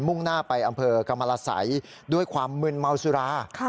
่งหน้าไปอำเภอกรรมรสัยด้วยความมึนเมาสุรา